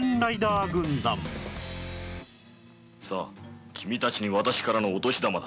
さあ君たちに私からのお年玉だ。